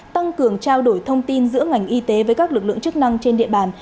tăng cường trao đổi thông tin giữa ngành y tế với các lực lượng chức năng trên địa bàn